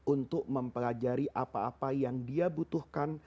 untuk mempelajari apa apa yang dia butuhkan